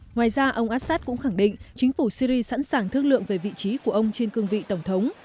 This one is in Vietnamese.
ngoài ra ông assad cũng khẳng định chính phủ syri sẵn sàng thương lượng về vị trí của ông trên cương vị tổng thống